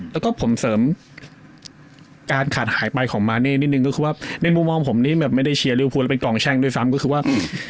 แล้วก็ผมเสริมการขาดหายไปของมาเน่นิดนึงก็คือว่าในมุมมองผมนี่แบบไม่ได้เชียร์ริวภูแล้วเป็นกองแช่งด้วยซ้ำก็คือว่า